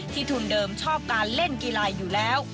ทุนเดิมชอบการเล่นกีฬาอยู่แล้ว